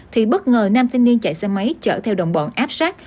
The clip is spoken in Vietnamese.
thì bất ngờ nam thanh niên chạy xe máy chở theo đồng bọn áp sát